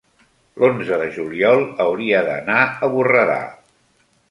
l'onze de juliol hauria d'anar a Borredà.